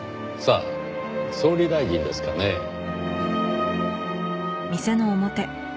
さあ総理大臣ですかねぇ。